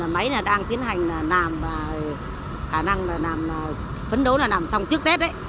máy đang tiến hành là làm và khả năng là làm phấn đấu là làm xong trước tết đấy